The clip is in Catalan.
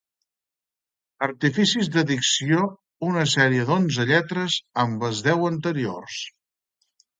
Artificis d'addició una sèrie de onze lletres amb les deu anteriors.